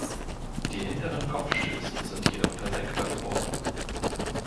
Die hinteren Kopfstützen sind jedoch versenkbar geworden.